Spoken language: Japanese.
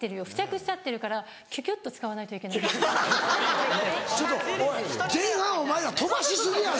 付着しちゃってるからキュキュット使わないといけない。